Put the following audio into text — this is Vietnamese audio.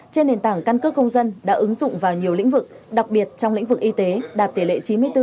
trên nền tảng căn cước công dân đã ứng dụng vào nhiều lĩnh vực đặc biệt trong lĩnh vực y tế đạt tỷ lệ chín mươi bốn bốn